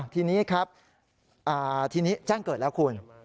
ทีนี้ครับทีนี้แจ้งเกิดแล้วคุณ